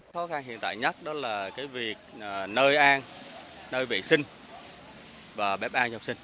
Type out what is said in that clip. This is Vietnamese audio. khó khăn hiện tại nhất đó là cái việc nơi an nơi vệ sinh và bếp an cho học sinh